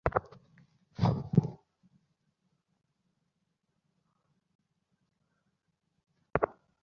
পানি শুকিয়ে মাখা মাখা হলে গরমমসলার ফাঁকি দিয়ে নেড়ে ঢেকে দিন।